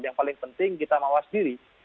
yang paling penting kita mawas diri